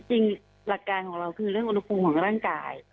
หลักการของเราคือเรื่องอุณหภูมิของร่างกาย